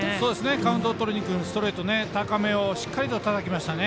カウントを取りにくるストレート高めをしっかりとたたきましたね。